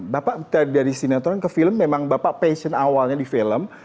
bapak dari sinetron ke film memang bapak passion awalnya di film